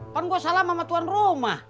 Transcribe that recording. kan gua salam sama tuan rumah